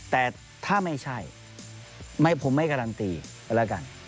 แต่ถ้าไม่ใช่ผมไม่การันตีก็แล้วกัน